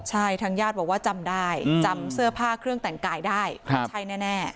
ใช่ทางญาติบอกว่าจำได้จำเสื้อผ้าเครื่องแต่งกายได้ใช่แน่